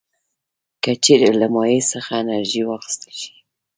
که چیرې له مایع څخه انرژي واخیستل شي.